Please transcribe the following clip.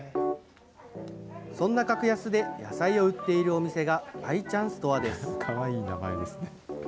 そんな格安で野菜を売っているお店が愛ちゃんストアです。